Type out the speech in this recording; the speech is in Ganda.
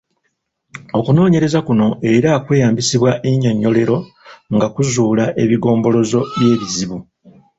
Okunoonyereza kuno era kweyambisa ennyinyonnyolero nga kuzuula ebigombolozo by’ebizibu.